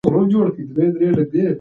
ټولنیز مشارکت د سمې پرېکړې لپاره مهم دی.